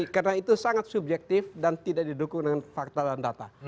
karena itu sangat subjektif dan tidak didukung dengan fakta dan data